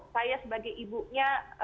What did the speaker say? saya sebagai ibunya